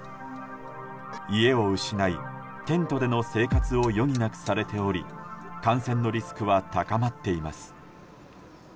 家を失い、テントでの生活を余儀なくされており感染のリスクは高まっています。